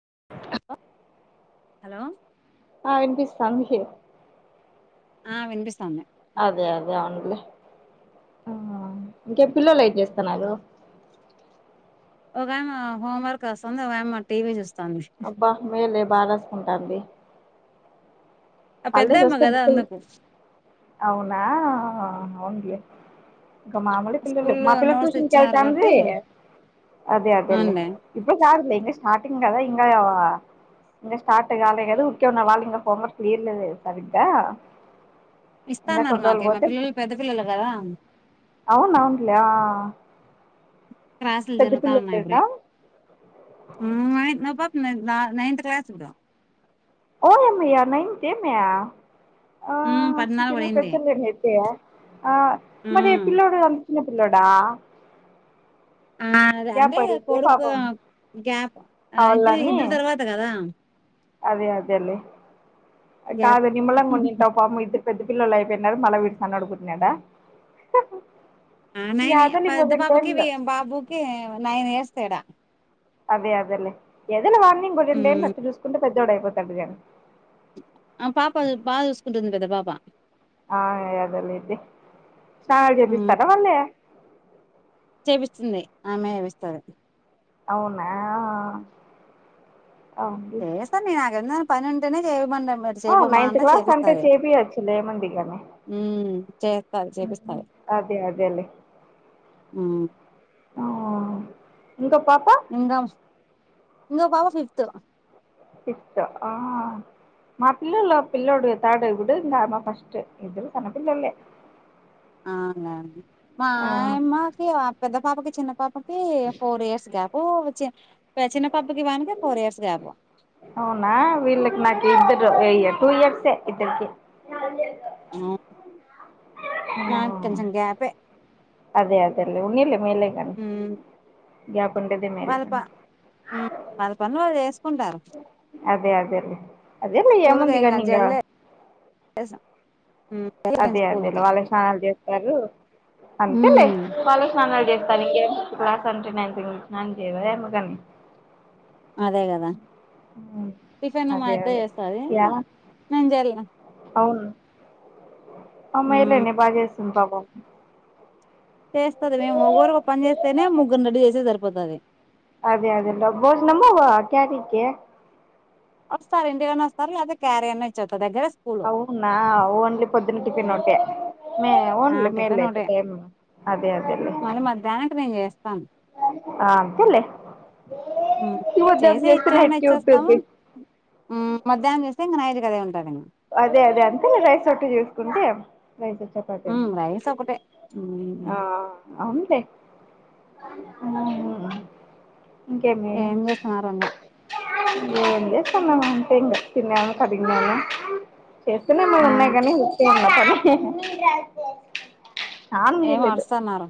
హ హలో ఆ ఇనిపిస్తాది ఆ వినిపిస్తాంది అదే అదే అవున్లే ఆ ఇంకె పిల్లొలు ఎం చేస్తున్నారు ఒకమా హోమ్ వర్క్ రాస్తుంది ఒకమా టీవీ చూస్ అబ్బా మేలే బారాస్కుంటంది ఆ హాలిడేస్ పెద్దామె వస్తే కదా బుకూల్ అందుకు అవునా అవున్లే ఇంకా మామిూలు పిల్లలు స్కూల్లో మా పిల్ల నోట్స్ ఇచ్చినారు ట్యూషన్కిళ్తాది కాబట్టి అదే అదేేలే అవునులే ఇప్పుడు కాదులే స్టార్టింగ్ కదా ఇంగ ఇంగ స్టార్ట్ కాలే కద ఉకే మావాళ్లు ఇంక హోంవర్క్ విర్లదే సరిగ్గా ఇంకా ఇస్తాన్నారు తొందరగా మాకి మా పోతే పిల్లలు పెద్ద పిల్లలు కదా అవును అవునుట్లే క్లాస్సులు జరుగుతాఉన్నయి ఇప్పుడే పిల్లలేనా నైన్త్ క్లాస్ ఇప్పుడు ఓ భయా నై తెమయా ఆ మ్మ్ పద్నాలుగు జ పడింది పెద్దర్దే అైతే ఆ మరి మ్మ్ పిల్లోడు చిన్న పిల్లోడా అ గ్యాప్ అదే పడింది కొడుకు పాపం గ్యాప్ ఆ కావాలని ఇద్దరు తర్వాత కదా అదే అదే లే గ్యాప్ కాదు నిమ్లంగా ఉన్నింటావ్ పాపమ్ ఇ పెద్ద పిల్లలు అయిపోయినారు మళ్ల విడు సన్నోడు పుట్నాడా ఆ నైన్ పెద్ద బాబుకి బాబుకి నైన్ ఇయర్స్ తేడా అదే అదేలే ఎదలే వాని ఇంగో రెండేళ్లు మ్మ్ అట్టు చూసుకుంటే పెద్దోడయిపోతాడు కానీ ఆ పాప బాగా చూసుకుంటుంది పెద్ద పాప ఆ అదేలెండి స్నానాలు హ్మ్. చేపిస్తారా మళ్ళే చేపిస్తుంది ఆమె చేపిస్తారు అవునా అవునులే చేసాను నేను నాకేందన్న పని ఉంటేనే చే మ మీరు ఆ చేబమ్మా నైన్త్ అంటే క్లాస్ చేపిస్తది చేపియచ్చులే ఏముంది గాని ఊ చేస్తాది చేపిస్తది అదే అదేలే ఇంకా పా ఇంగా ఇంగ పాప ఫిఫ్త్ సిక్స్త్ ఆ మా పిల్లోళ్ళు పిల్లోడు తర్డు ఇబుడు మా ఫస్ట్ ఇద్దరు సన్న పిల్లొల్లే అవునులేండి మా ఆయమ్మకి పెద్ద పాపకి చిన్న పాపకి ఫోర్ ఇయర్స్ గ్యాప్ వచ్చే చిన్న పాపకి వానికి ఫోర్ ఇయర్స్ గ్యాపు అవునా వీళ్ళకి నాకు ఇద్దరు టూ ఇయర్సే ఇద్దరుకి మాకెం కొంచం గ్యాపే అదే అదేల్ ఉన్నీలే మేలే గనీ ఉమ్ గ్యాపుఉండేదే మేలే వాళ్ళ ప గని వాళ్ళ పనులు వాళ్ళు చేసుకుంటారు అదే అదేలే అదేలే ఏముందిగా నింగా తెసా అదే అదే వాళ్ళ స్నానాలు చేత్తారు అంతేలే ఉమ్ వాళ్ళ స్నానాలు చేస్ తన క్లాస్ అంట నైన్త్ ఇంగ్లీష్ చేయ ఎందు కానీ అదే గదా టిఫిన్ మా అదే అత్త అదే చేస్తది యా నంజాల అవును మ్మ్ అమ్మాయిలనే బాగజేసింది పాపం చేస్తది మే ఒగోరు ఒక పని చేస్తేనే ముగ్గురు రెడిగా చేస సరిపోతది అదే అదేలో భోజ్నము క్యారీకి వస్తారు ఇండిలోనే వస్తారు లేద క్యారీ అన్న ఇచ్చతారు దగ్గర అవునా ఓన్లీ పొద్దున టిఫినోటే మే ఆ ఉంలే మేల్ టిఫిన్ యితే ఒకటే టైమ్ అదే అదేలే మళ్ళీ మధ్యాహ్నానికి నేను చేస్తాను ఆ అంతెలే చేసి ఇచ్చనా ఇచ్చేస్తాము ఉంటుంది ఉ మధ్యాహ్నం చేస్త అయితే నైట్ కి అదే ఉంటాది అదే అదే అంతే రైస్ ఎక్కువ చూసుకుంటే నైట్ మ్మ్ చపాతీనా రైస్ ఒకటే మ్మ్ ఆ అంతె అ ఏం జేస్తున్నారు అన్న ఏం జేస్తాన్నమంటే ఇంగా తిన్నామ కడిగినామ చెప్పినమా ఆ ఉన్నాయి కానీ ఉన్నా కానీ ఏమో అరుస్తన్నారు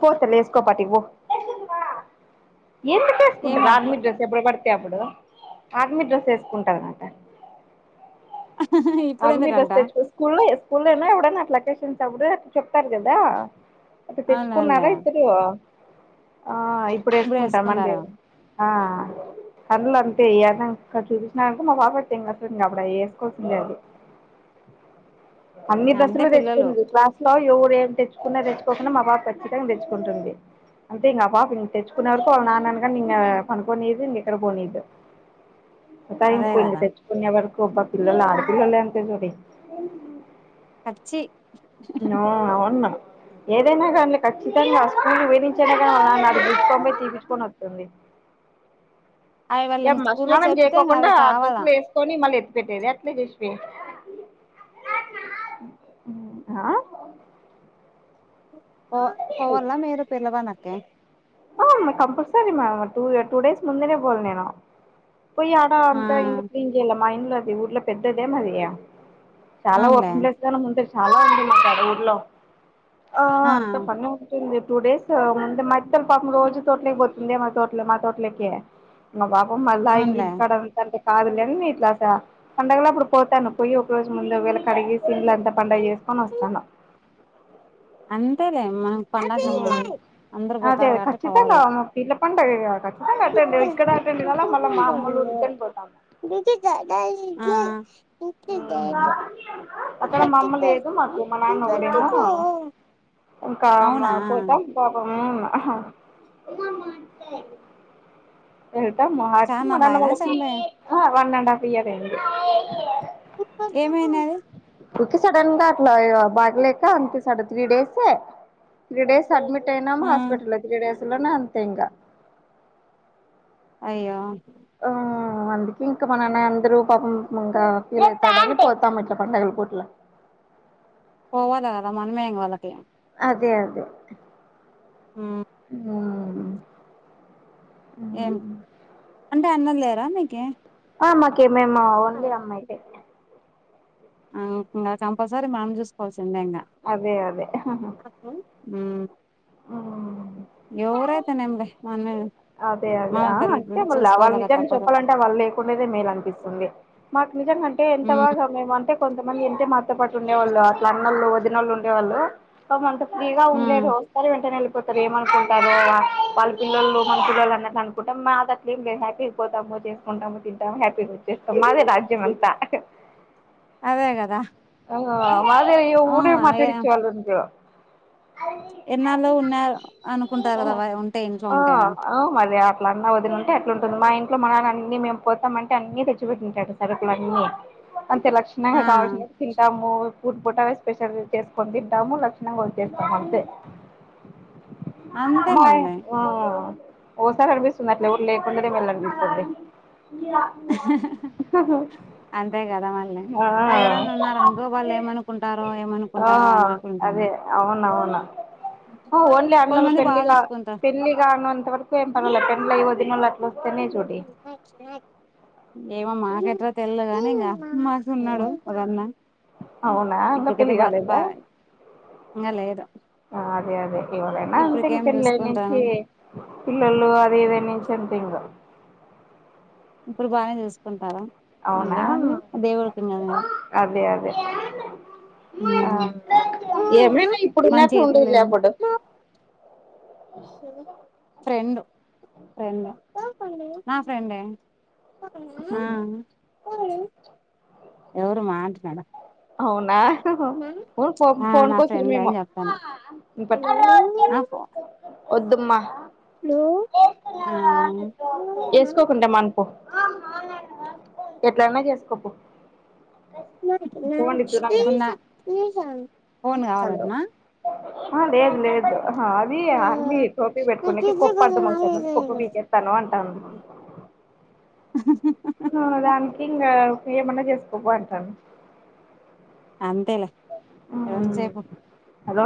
పోతలే ఎసుకో పాటిటీ పో ఎందుకు ఏం ఏసుకుంటారు అరుస్తా ఆర్మీ డ్రెస్ ఎబడు పడితే అప్పుడు ఆర్మీ డ్రెస్ వేసుకుంటది అంట ఇప్పుడు ఆర్మీ డ్రస్ ఎందుకంట స్త స్కూల్లో ఏస్ స్కూల్నా ఎవడన్న అట్ల అకేషన్స్ అప్పుడు చెప్తారు కదా అటు అవునులే తెచ్చుకున్నారా ఇద్దరు ఆ ఇప్పుడు వేసుకుంటామండి ఆ కండ్లు అంతె ఏదన చూసినక మా బాపట్టే ఏంక అబుడు వేసుకోవాల్సిందే అది అన్ని అంతే డ్రెస్సులు తెచ్చుకు పిల్లలు క్లాస్ ఎవరు ఏం తెచ్చుకున్నా తెచ్చుకోకున్నా మా బాబు ఖచ్చితంగా తెచ్చుకుంటుంది అంటే ఇంగ అపాప తెచ్చుకున్న వరకు వాళ్ళ నాన్నను కాని ఇంగ పనుకోనిదు ఇంగ ఎక్కడ పోనీదు అదే శతయించుతుంది కదా తెచ్చుకునేవరకు అబ్బా పిల్లలు ఆడిపిల్లలే అంతే చూడండి కచ్చి నో ఆవున్నా ఏదైనా కాన్లే ఖచ్చితంగా ఆ స్కూల్ విధించ నా గుసుకొంయి తీసుకొని వచ్చ అవి వాళ్ళ ఏమ్మా స్కూల్లో స్నానం చెప్తే ఇంగ జేయకోకుండా అవి కావాలా ఆడస్లు వేసుకొని మళ్ళీ పెట్టది ఎలే చెసుపి హా పో పోవల్లా మీరు పిలవనకే ఆ కంపల్సరీ మమ్ టూ డేస్ ముందనే పోల్ల నేను పోయి ఆడా ఆ అంట ఇంపో ఇంగలమా ఇంలో అది ఊర్ల పెద్దదే మది చాలా అవునులే ఓపెన్ ప్లేస్ గానే ముంటారు చాలా ఉంది మాకుద ఊర్లో ఆ అంత పని ఉంటుంది టూ డేస్ ముందు మ అత్త పాపం రోజు తోటలేకి పోతుంది మాతో మా తోట్లేకే ఇంగ బాబం మళ్ళా ఇం అవునులే ఇంటికాడంతంటే కాదులేని ఇట్లాస పండగల అప్పుడు పోతాను పోయి ఒక రోజు ముందు వేళ కడిగసిన్ల అంతా పండగ చేసుకొని వస్తాను అంతేలేే మ అదే అ కాబట్టి ఖచ్చితంగా పోవాల పీర్ల పండగ ఖచ్చితంగా కట్టండి ఇక్కడ రెడు కాల మళ్ళ మా అమ్మలూరుకి గాన్ పోతాము దజ జగయి అ అక్కడ మా అమ్మ లేదు మాకు మా నాన్న ఒకడేమో ఇంకా మా అవునా పోతాం బాబా ఆ ఆహా ఎటా మాకి మా చానా నాన్న లాగినవా వాళ్ళకి చనిపోయా ఆ వన్ అండ్ హాఫ్ ఇయర్ అండి ఏమైనది కే సడన్ గా అట్లా బాగలేక అంతే సడ త్రీ డేసే త్రీ డేస్ అడ్మిట్ అయినాం ఆ హాస్పిటల్ త్రీ డేస్ లోనే అంతే ఇంకా అయ్యో ఆ అందుకే ఇంకా మా నాన్న అందరు పాపం ఇంకా ఫీల్ పోతామం ఇట్ల పండగల పూట్ల పోవలగాదా మన మేంగ వళ్కే అదే అదే ఉమ్ ఉమ్ ఏం అంటే అన్న లేరా నీకి ఆ మాకీ మేమ్ ఓన్లీ అమ్మయితే ఆ ఇంకా కంపల్సరీ మనం చూసుకోవాల్సిందే ఇంగ అదే అదే ఉమ్. ఉమ్. ఎవరైతే ఏంలే మనమే. అదే అదే మన ఆహ్ తల్లి అంటే మళ్ళీ వాళ్ళ చూసుకోవాలగా నిజంగా తప్పదు చెప్పాలంటే వాళ్ళు లేకుండేదే మేల్ అనిపిస్తుంది మాకు. నిజంగాంటే ఎంత మ్ బాగా మేము అంతే. కొంతమంది ఎంటే మాతో పాటు ఉండేవాళ్ళు అట్ల అన్నళ్ళొవదినోళ్ళు ఉండేవాళ్ళు పాపంతా. ఫ్రీగా ఉండలేరు వస్తారు వెంటనే వెళ్ళిపోతారు ఏమనుకుంటారో అని వాళ్ళ పిల్లోలు. మా పిల్లలు అన్నట్లు అనుకుంటాం మాకు అట్లేం లేదు హ్యాపీగా పోతం చేసుకుంటాము తింటాము హ్యాపీగా వచ్చేస్తాం మాదేగ. మంతా. అదే కదా ఆహ్ మాదిరి ఆ ఊరే ఏ మాట్డిచ్చే వాళ్ళు ఉండు. ఎన్నాళ్ళు ఉన్నారు ఆహ్ అనుకుంటారు కదా వ ఉంటే ఇంట్లో ఉంటేనా ఆహ్. ఆహ్ మరి అట్లా అన్నా వదిన ఉంటే అట్లాంటది మా ఇంటి. ఇంట్లో మనం అన్ని మేము పోతాంమంటే అన్ని తెచ్చి పెటుంటాడు సరుకులు అన్నీ. అంతే లక్షణంగా ఆ కావాల్సినవి తింటాము. ఇప్పుడు పుటావే స్పెషల్ చేసుకొని తింటాము లక్షణంగా వచ్చేస్తామంతే. అంతే మా ఇం మళ్ళీ ఆహ్. ఓసారి అనిపిస్తుంది అట్లా ఎవరు లేకుంటేనే బాగుండు అనిపిస్తుంది. ఆహ్ ఉహూ. అంతే కదా మళ్ళీ ఎవరన్నా ఉన్నారనుకో వాళ్ళు ఏమనుకుంటారో ఏమనుకుంటారో అన్నట్టు ఉంటుంది. ఆహ్ అవునవును. ఓన్లీ అన్నలు కొంతమంది బాగా పెళ్లిగా చూసుకుంటారు పెళ్లిగానంతవరకు ఏం పర్లేదు పెళ్లై వదినలు వస్తే ఏమో అమ్మ అట్లా తెల్లగా కానీ ఇంకా మాకు ఉన్నాడు ఒక అన్న అవునా ఇంకా పెళ్లి ఇప్పటికైతే బర్ కాలేదా ప. ఆహ్ లేదు. అదే అదే ఎవరైనా అంతే ఇంకా ఇప్పటికేం పెళ్ళి నుంచి చూసుకుంటాను పిల్లలు అది ఇది నుంచి అ. సింగ. ఇప్పుడు బానే చేసుకుంటారా. అవునా అదే అదే. ఆహ్ ఉమ్ ఏమైనా మన ఇప్పుడున్నట్లు చేతుల్లో ఉండదులే అప్పుడు. ఫ్రెండు ఫ్రెండ్ మా ఫ్రెండే. ఆహ్ ఎవరు మా అంటున్నాడు. అవునా ఫోన్ ఆ ఫోన్ నా ఫ్రెండే కోసమేమో. అని చెప్పాను ఇగ పట్టు. ఆ వద్దమ్మా ఆ వేసుకోకుంటే మన్. ఎట్లైనా చేసుకోపో. పోండి దూరంగా ఫోన్ కావాలంటాన. ఆహ్ లేదు లేదు. అది ఆమీ ట్రోపీ పెట్టుకునేకి కోప్పు అడ్డం వస్తుందని కోప్పు పీకేస్తాను అంటది. ఆహ్. మన దానికి ఇంకా ఏమన్నా చేసుకోపో అంటండు. అంతేలే ఎంత సేపు. హలో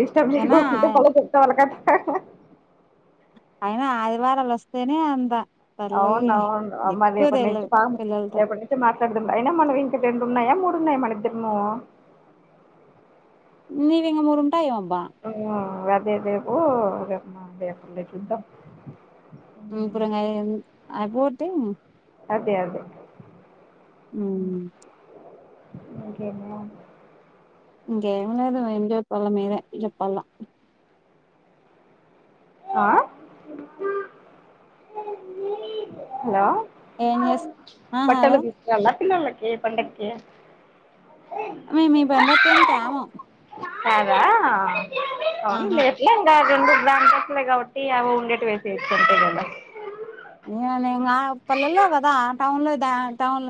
డిస్టర్బ్ చేయకుంటే మల్ల కొత్త వాళ్లకు. అయినా ఆదివారాలు వస్తేనే అంత. తల్లి అవునా ఆహ్ మాది దిక్కు రేపటి నుంచి తెలవదు బాగా పిల్లలతో ఎప్పటి నుంచి మాట్లా. అయినా మనం ఇంక రెండు ఉన్నాయా మూడు ఉన్నాయా మన ఇద్దరము. నవెంగ ము అదేదేపుేపలే చూద్దాం బడుంగా అయ్యోగు పోతే అదే అదే ఉ ఇంకేంటి ఇంకేమ లేదు ఏం చెప్పాలి మీరే చెప్పాల ఆ హలో ఏం చేస్ ఆ బట్టల హలో దుకల్ పిల్లలకి పండకి మేము ఈ పండక్కేమీ తేము కాదా అవును ఆహా లేట్లే ఇంకా రెండు గ్రాం గాబట్టి అ ఉండెట్ వేసి ఇటుకుంటదల ఏ పల్లెల్లో కదా టౌన్ లో టౌన్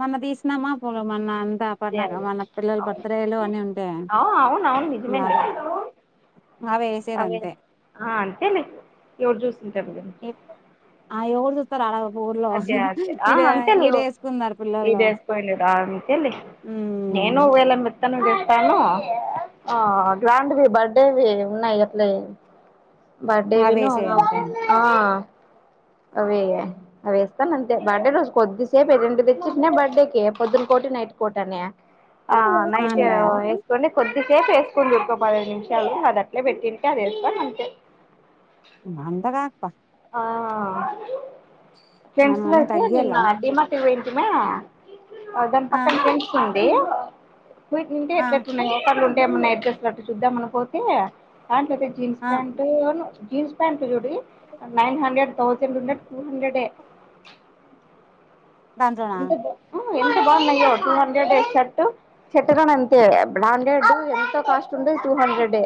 మన్న తీసినామా పో మన్న అంతా అ అదే పట్న అదే మన పిల్లలు అవును బర్త్డేలు అని ఉంటాయి అవును అవును నిజమేలే అవి అవే అంతే ఎవరు చూస్తుంటారు కా ఆ ఎవరు జూతారు ఆరా అదే అదే ఆ అంతలి వేసుకున్నారు పిల్లలు ఇదేసు పోలేదా అంతేల్ నేను ఉమ్ వేళ ఎల మత్తానుడి తాను గ్రాండ్వి బర్డేవి ఉన్నాయి అట్ల బర్డే అవి విను వేసేయి అంతే ఆ అవే అవేస్తాను అంతే బర్త్డే రోజు కొద్దిసేపు ఎదిటి తెచ్చిట్నే బర్త్డే క పొద్దున కొ నైట్ కోటనే నైట్ అవునులే వేసుక కొద్ ఇది సేపు వేసుకుడి ఇకో పదహైదు నిమిషాలు అది అట్లే పెట్టింట అది వేసుకొని అంతే పండగ ఆ మనం అనే ఫెండ్స్లాతే తగ్గియాల నిన్న డిమార్ట్ కి పోయితీమ్ దాని ఆ పక్కన ఫ్రెండ్స్ ఉడి వీటి నుండి ఆ ఎట్లాన్నా ఒక ఉ మన్నా నైచస్ అట్టు చూద్దామ అని పోతే అంటదతే జీన్స ఆ ప్యాట్ జీన్స ప్యాట్ జుడి nine hundred thousand hundred two హండ్రెడె దాంట్లోనా ఇంకా ఎంత బాగుంది టూ హండ్రెడ్ షర్ట్ షర్ట్ కూడ అంతే బ్రాండెడ్ ఎంతో కాస్ట్ ఉండో two hundred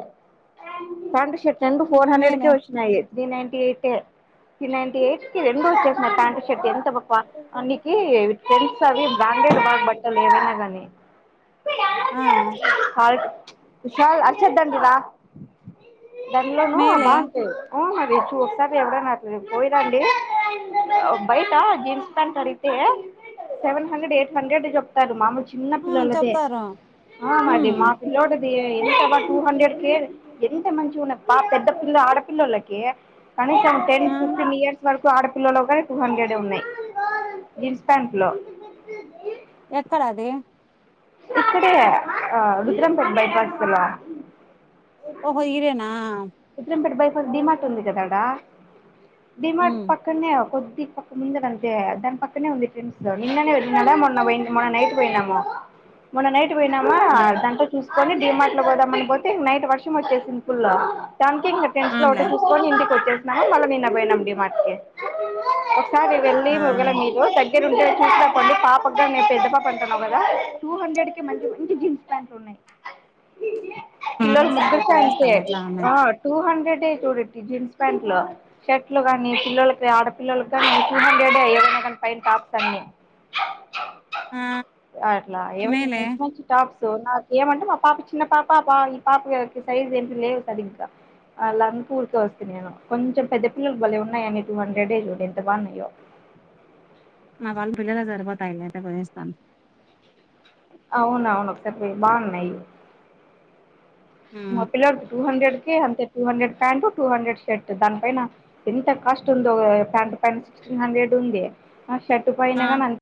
pant shirt and four hundred కే మేలే వచ్చినాయి తీ నైన్ ఎయిట్ తీ నైన్ ఎయిట్ కి రెండు వచ్చేసినన్నారు ప్యాంటట్ షర్ట్ ఎ అకి ఫ్రెండ్స్ అవి బ్రాండెడ్ బాగ్ బట్టలు ఏవైనా గానీ ఆ విషాల్ అర్షద్ దండరా దండ్లోను మేలే బా అంతేది ఉ మారీ ఎవర అట్లే పోయిదండి బయట జీన్స్ ప్యాంటు అడిగితే సెవెన్ హండ్రెడ్ ఎయిట్ హండ్రెడ్ చెప్తారు మాకూ చిన్న ఆ పిలలదే చెప్తారు ఆ మ అద ఉమ్ మా పిలోడ ఎంత టూ హండ్రెడ్ క ఎంత మంచి ఉన్న పెద్ద పిల్ల ఆడపిల్లలకి కానీ టెన్ ఆ ఫిఫటీన్ ఇయర్స్ వ ఆడపిల్లలో కాని టూ హండ్రెడ్ ఉన్నాయి జీన్స్ ప్యాంట్ లో ఎక్కడ అది ఇక్కడ ఆ విక్రంపేట్ బైపాస్ అలా ఓహో ఇరేనా ఉత్రంపేట బైపాస్ డిమార్ట్ ఉంది కదాడా డిమార్ట్ ఉమ్ పక్కనే కొద్ది పక్క దా పక్కనే వ నిన్ననేై మ నైట్ పోయిన్నామము మొన్న నైట్ పోయినామా ఉమ్ దాట్ చూసుకొని డిమార్ట్ లో పోదామని పోతే నైట్ వర్షి వచ్చేసింది ఫుల్ బ్యాంకింగ్ అెస్ లో అవునులే ఒకటి తీసుకొని ఇంటికి వచ్చేసిన మళ్ళ నిన్న పోయినం డిమాట్క సార్ వెళ్ళి ఆ మగల మీరు దగ్గ ద్ ఉ చూనండి పాపగా మే పెద్ద పాప అంటున్నావు కదా టూ హండ్రెడ్ కి మంచి మంచి జీన్స్ ప్యాంట్ ఉన్నాయి ఉమ్ పిల్లలోలు సర్లే ముగ్గురికి అంతే పోయేస్తాం ఎట్లా ఉన్నాయి ఆ టూ హండ్రెడ్ చూడటి జీన్స్ ప్యాంట్ లో షర్ట్లు కాని పిల్లలకి ఆడపిల్లలకి ని చ ఏదైనా గాని పైన టాప్స్ అన్ని ఆ అట్లా ఏవనా మేలే మంచి మంచి టాప్స్ సో నాకు ఏమంటే మా పాప చిన్న పాప పా ఈ పాప సైజ్ ఏంటి లేవు సరిగ్గా అలాని ఊరిక వస్తే నేను కొంచెం పెద్ద పిల్లలు బలే ఉన్నాయిడి టూ హండ్రెడే చూడి ఎంత బాగున్నాయో వాళ్ళు పిల్లలకి సరిపోతాయిలే కొనేస్తాను అవున అవును పెద్దయ్ బాగున్నాయి మా ఉమ్ పిల్లలకి టూ హండ్రెడ్ అే టూ హండ్రెడ్ ప్యాటూ హండ్రెడ్ షర్ట్ దా పైన ఎంత కాస్ట్ ఉందో ప్యాంట్ పం త్రీ హండ్రెడ్ ఉంది షట్టు పైన ఆ కానీ